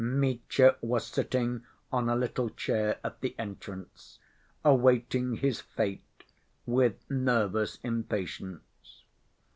Mitya was sitting on a little chair at the entrance, awaiting his fate with nervous impatience.